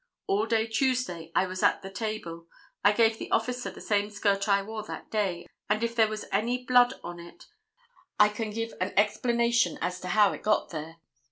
All day Tuesday I was at the table. I gave the officer the same skirt I wore that day, and if there was any blood on it I can give an explanation as to how it got there.